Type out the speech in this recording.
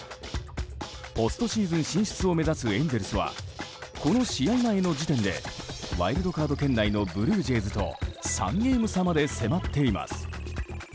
ポストシーズン進出を目指すエンゼルスはこの試合前の時点でワイルドカード圏内のブルージェイズと３ゲーム差まで迫っています。